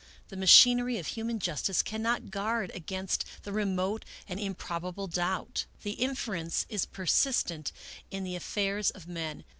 The machinery of human justice cannot guard against the remote and im probable doubt. The inference is persistent in the afifairs of men.